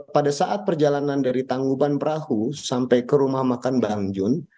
pada saat perjalanan dari tanggupan perahu sampai ke rumah makan bang jun